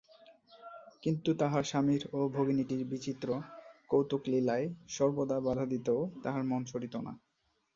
কিন্তু তাহার স্বামীর ও ভগিনীটির বিচিত্র কৌতুকলীলায় সর্বদা বাধা দিতেও তাহার মন সরিত না।